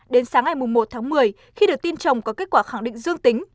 đến sáng ngày một tháng một mươi khi được tin chồng có kết quả khẳng định dương tính